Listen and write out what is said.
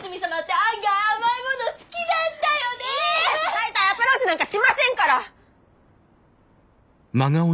大体アプローチなんかしませんから！